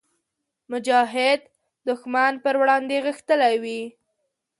مجاهد د ښمن پر وړاندې غښتلی وي.